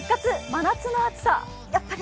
真夏の暑さ。